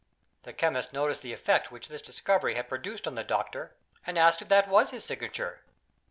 The chemist noticed the effect which this discovery had produced on the doctor, and asked if that was his signature.